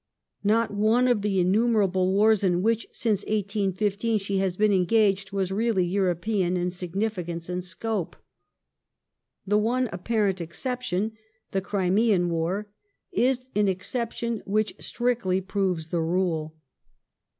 Not one of the innumerable wars in which, since 1815, she has been engaged was really European in significance and scope. The one apparent exception — the Crimean war — is an exception which strictly proves the rule.